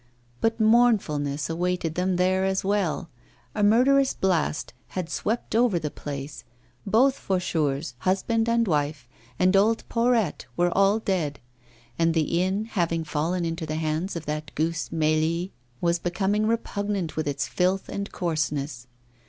But mournfulness awaited them there as well; a murderous blast had swept over the place, both Faucheurs, husband and wife, and old Porrette, were all dead; and the inn, having fallen into the hands of that goose Mélie, was becoming repugnant with its filth and coarseness.